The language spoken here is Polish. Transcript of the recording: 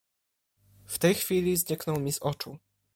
"W tej chwili zniknął mi z oczu."